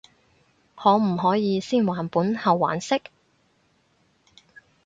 可唔可以先還本後還息？